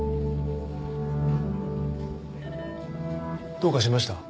どうかしました？